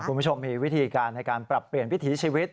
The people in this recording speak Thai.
คุณผู้ชมมีวิธีการในการปรับเปลี่ยนวิถีชีวิต